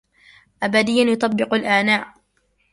أبديّاً يُطبِّقُ الآناءَ